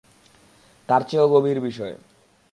তার চেয়েও গভীর বিষয়।